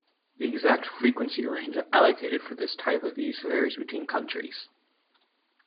The exact frequency range allocated for this type of use varies between countries.